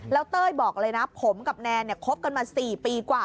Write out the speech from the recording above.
แล้วเต้ยบอกเลยนะผมกับแนนคบกันมา๔ปีกว่า